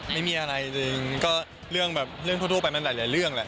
ไม่มีอะไรจริงก็เรื่องแบบเรื่องทั่วไปมันหลายเรื่องแหละ